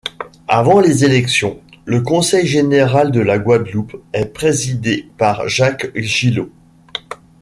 Avant les élections, le conseil général de la Guadeloupe est présidé par Jacques Gillot.